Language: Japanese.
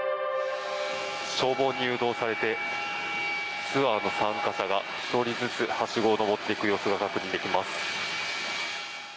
消防に誘導されてツアーの参加者が１人ずつはしごを登っていく様子が確認できます。